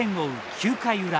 ９回裏。